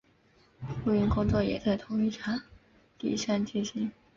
录音工作也在同一场地上进行。